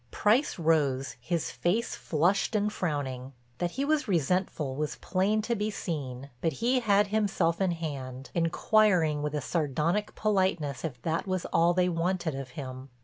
Price rose, his face flushed and frowning. That he was resentful was plain to be seen, but he had himself in hand, inquiring with a sardonic politeness if that was all they wanted of him.